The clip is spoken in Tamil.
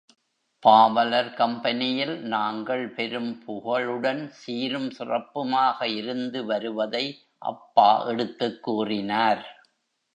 பாவலர் கம்பெனியில் நாங்கள் பெரும் புகழுடன் சீரும் சிறப்புமாக இருந்து வருவதை அப்பா எடுத்துக் கூறினார்.